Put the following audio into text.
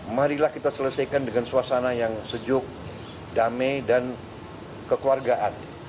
marilah kita selesaikan dengan suasana yang sejuk damai dan kekeluargaan